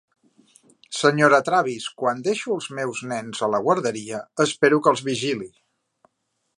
Senyora Travis, quan deixo els meus nens a la guarderia, espero que els vigili.